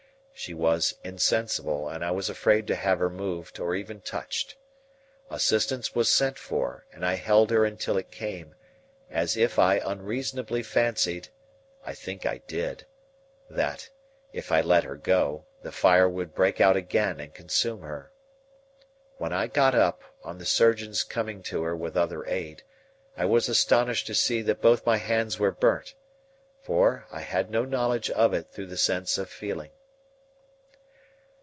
She was insensible, and I was afraid to have her moved, or even touched. Assistance was sent for, and I held her until it came, as if I unreasonably fancied (I think I did) that, if I let her go, the fire would break out again and consume her. When I got up, on the surgeon's coming to her with other aid, I was astonished to see that both my hands were burnt; for, I had no knowledge of it through the sense of feeling.